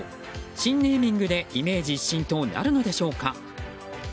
新ネーミングでイメージ浸透なるのでしょうか。